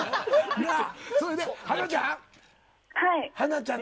それで、ハナちゃん。